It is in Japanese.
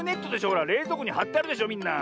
ほられいぞうこにはってあるでしょみんな。